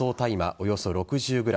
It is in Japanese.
およそ６０ｇ